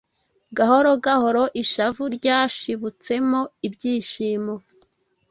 Gahoro gahoro, ishavu ryashibutsemo ibyishimo